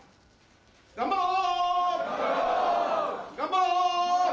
頑張ろう。